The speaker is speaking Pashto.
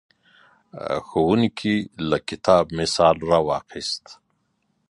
ښوونکی له کتاب مثال راواخیست.